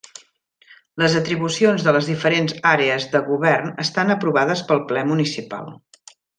Les atribucions de les diferents Àrees de Govern estan aprovades pel Ple Municipal.